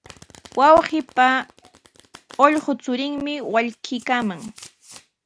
Wawqiipa ullqu churinmi wallkiykaaman.